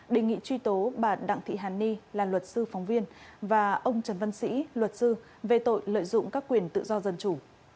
đề nghị truy tố bà đặng thị hàn ni là luật sư phóng viên và ông trần văn sĩ luật sư về tội lợi dụng các quyền tự do dân chủ